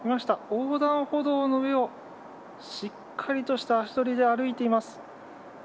横断歩道の上をしっかりとした足取りで歩いています。